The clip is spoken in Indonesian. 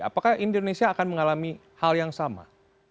apakah indonesia akan mengalami hal yang sama